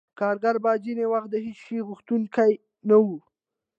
کارګر به ځینې وخت د هېڅ شي غوښتونکی نه وو